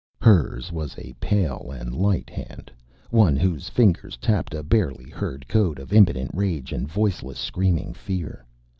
Hers was a pale and light hand, one whose fingers tapped a barely heard code of impotent rage and voiceless screaming fear.